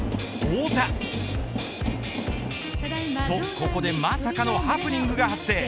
おっとここでまさかのハプニングが発生。